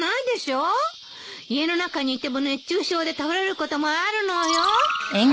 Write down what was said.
家の中にいても熱中症で倒れることもあるのよ。